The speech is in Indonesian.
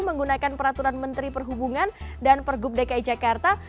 menggunakan peraturan menteri perhubungan dan pergub dki jakarta